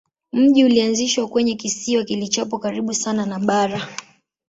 Mji ulianzishwa kwenye kisiwa kilichopo karibu sana na bara.